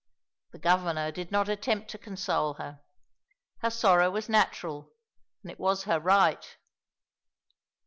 The Governor did not attempt to console her. Her sorrow was natural, and it was her right.